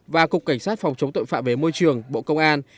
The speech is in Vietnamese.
và cục cảnh sát phòng chống tội phạm về môi trường bộ công an